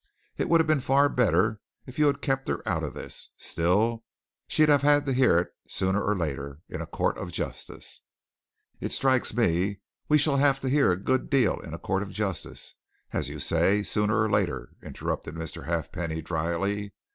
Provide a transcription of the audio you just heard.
It would have been far better if you'd kept her out of this still, she'd have had to hear it sooner or later in a court of justice " "It strikes me we shall have to hear a good deal in a court of justice as you say, sooner or later," interrupted Mr. Halfpenny, dryly.